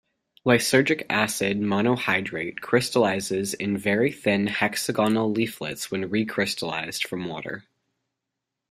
Lysergic acid monohydrate crystallizes in very thin hexagonal leaflets when recrystallized from water.